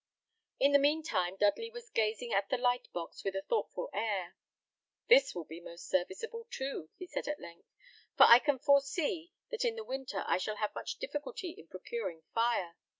In the mean time, Dudley was gazing at the light box with a thoughtful air. "This will be most serviceable too," he said at length, "for I can foresee that in the winter I shall have much difficulty in procuring fire.